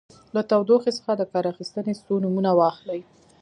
له تودوخې څخه د کار اخیستنې څو نومونه واخلئ.